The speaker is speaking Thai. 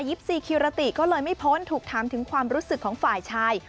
ซีคิรติก็เลยไม่พ้นถูกถามถึงความรู้สึกของฝ่ายชาย